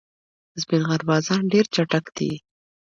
د سپین غر بازان ډېر چټک دي.